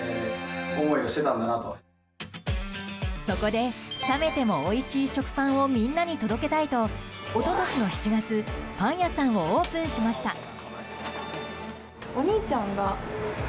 そこで、冷めてもおいしい食パンをみんなに届けたいと一昨年の７月パン屋さんをオープンしました。